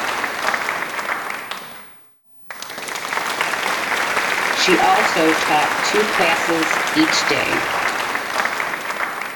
She also taught two classes each day.